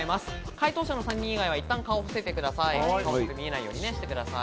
解答者の３人以外はいったん顔を伏せてください。